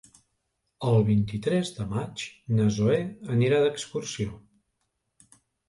El vint-i-tres de maig na Zoè anirà d'excursió.